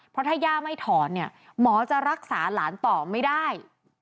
เพราะถ้าย่าไม่ถอนเนี่ยหมอจะรักษาหลานต่อไม่ได้